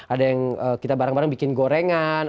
ada yang kita bareng bareng bikin gorengan